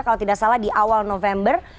kalau tidak salah di awal november